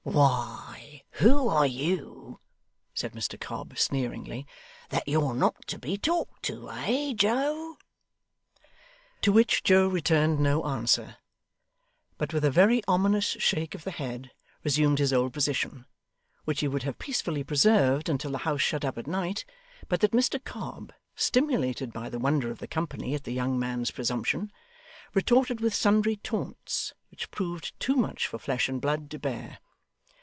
'Why, who are you,' said Mr Cobb, sneeringly, 'that you're not to be talked to, eh, Joe?' To which Joe returned no answer, but with a very ominous shake of the head, resumed his old position, which he would have peacefully preserved until the house shut up at night, but that Mr Cobb, stimulated by the wonder of the company at the young man's presumption, retorted with sundry taunts, which proved too much for flesh and blood to bear.